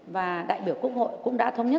và đại biểu quốc hội cũng đã thống nhất